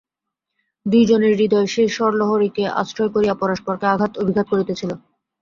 দুই জনের হৃদয় সেই স্বরলহরীকে আশ্রয় করিয়া পরস্পরকে আঘাত-অভিঘাত করিতেছিল।